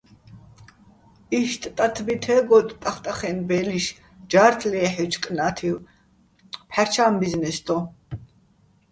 იშტ ტათბი თე́გოდო̆ ტახტახაჲნო̆ ბე́ლიშ ჯართ ლეჰ̦ჲუჲჩო̆ კნა́თივ, "ფჰ̦არჩა́ჼ ბიზნეს" დო.